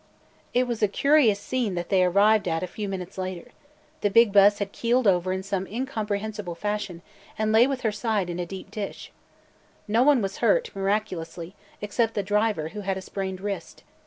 It was a curious scene that they arrived at a few minutes later. The big bus had keeled over in some incomprehensible fashion and lay with her side in a deep ditch. No one was hurt, miraculously, except the driver who had a sprained wrist.